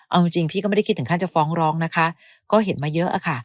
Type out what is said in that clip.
เอาจริงพี่ก็ไม่ได้คิดถึงขั้นจะฟ้องร้องนะคะก็เห็นมาเยอะอะค่ะ